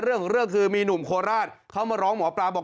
เรื่องของเรื่องคือมีหนุ่มโคราชเขามาร้องหมอปลาบอก